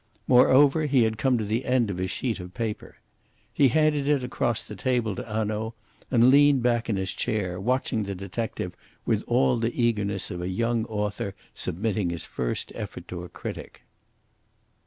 Moreover, he had come to the end of his sheet of paper. He handed it across the table to Hanaud and leaned back in his chair, watching the detective with all the eagerness of a young author submitting his first effort to a critic.